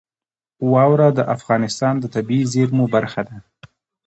واوره د افغانستان د طبیعي زیرمو برخه ده.